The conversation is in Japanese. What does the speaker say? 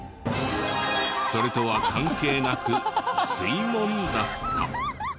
それとは関係なく水門だった。